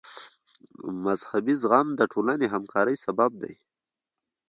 مذهبي زغم د ټولنې همکارۍ سبب دی.